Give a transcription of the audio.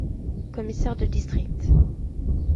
Commissaire de district.